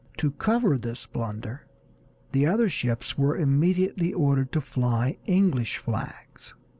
To cover this blunder the other ships were immediately ordered to fly English flags.